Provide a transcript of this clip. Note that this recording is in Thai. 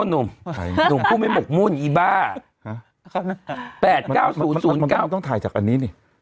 หนุ่มหนุ่มผู้ไม่หมกมุ่นอีบ้าครับแปดเก้าศูนย์ศูนย์เก้ามันก็ต้องถ่ายจากอันนี้นี่